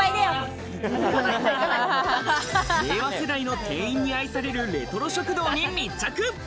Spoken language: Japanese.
令和世代の店員に愛されるレトロ食堂に密着。